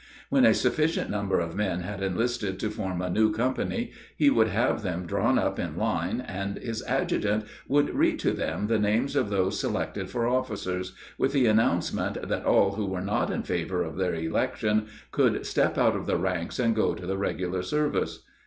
When a sufficient number of men had enlisted to form a new company, he would have them drawn up in line and his adjutant would read to them the names of those selected for officers, with the announcement that all who were not in favor of their election could step out of the ranks and go to the regular service.